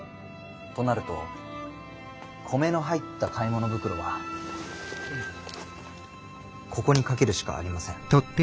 となると米の入った買い物袋はここにかけるしかありません。